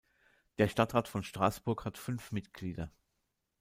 Der Stadtrat von Straßburg hat fünf Mitglieder.